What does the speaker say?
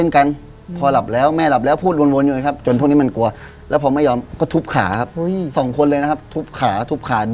ก็เลยบอกให้๒ปีนี้เอาไว้ไว้ตรงไหน